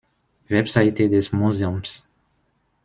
Webseite des Museums